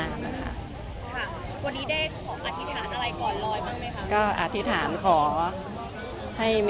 ค่ะวันนี้ได้ของอธิษฐานอะไรก่อนลอยบ้างไหมคะ